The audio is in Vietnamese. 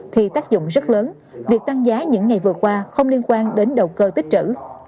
thì tác dụng rất lớn việc tăng giá những ngày vừa qua không liên quan đến đầu cơ tích trữ